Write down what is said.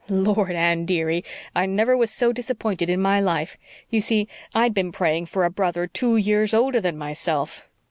Lord, Anne, dearie, I never was so disappointed in my life. You see, I'd been praying for A BROTHER TWO YEARS OLDER THAN MYSELF."